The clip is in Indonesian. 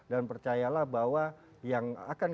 dan percayalah bahwa yang akan